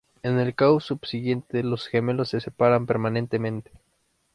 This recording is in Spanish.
En el caos subsiguiente, los gemelos se separan permanentemente.